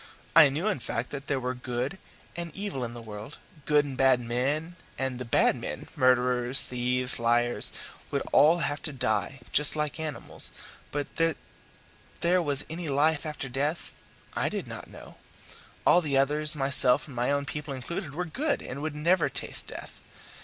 I knew, in fact, that there was good and evil in the world, good and bad men, and the bad men murderers, thieves, and liars would all have to die, just like animals; but that there was any life after death I did not know. All the others, myself and my own people included, were good and would never taste death.